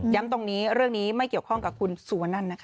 ตรงนี้เรื่องนี้ไม่เกี่ยวข้องกับคุณสุวนั่นนะคะ